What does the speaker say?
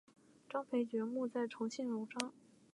张培爵墓在重庆荣昌。